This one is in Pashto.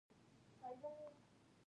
د لغمان په الینګار کې د څه شي نښې دي؟